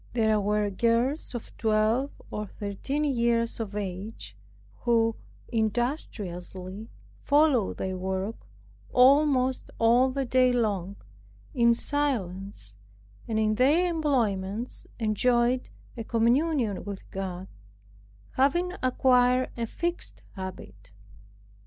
There were girls of twelve or thirteen years of age, who industriously followed their work almost all the day long, in silence, and in their employments enjoyed a communion with God, having acquired a fixed habit.